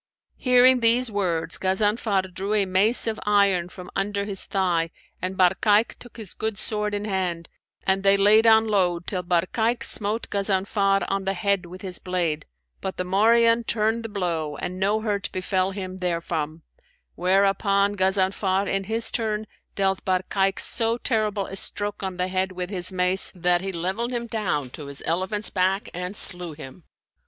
Hearing these words Ghazanfar drew a mace of iron from under his thigh and Barkayk took his good sword in hand, and they laid on load till Barkayk smote Ghazanfar on the head with his blade, but the morion turned the blow and no hurt befell him therefrom; whereupon Ghazanfar, in his turn, dealt Barkayk so terrible a stroke on the head with his mace, that he levelled him down to his elephant's back and slew him.